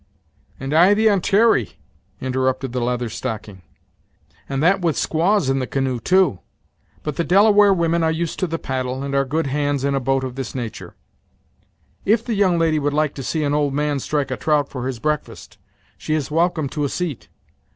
"And I the Ontary," interrupted the Leather Stocking; "and that with squaws in the canoe, too. But the Delaware women are used to the paddle, and are good hands in a boat of this natur', If the young lady would like to see an old man strike a trout for his breakfast, she is welcome to a seat.